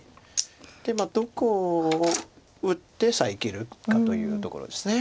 どこを打って遮るかというところです。